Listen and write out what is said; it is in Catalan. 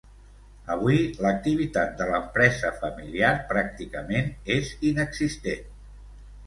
Avui, l'activitat de l'empresa familiar pràcticament és inexistent.